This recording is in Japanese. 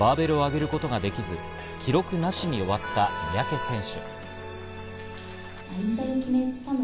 競技後半、バーベルを上げることができず記録なしに終わった三宅選手。